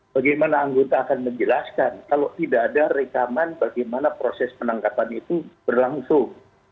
bagaimana anggota akan menjelaskan kalau tidak ada rekaman bagaimana proses penangkapan itu berlangsung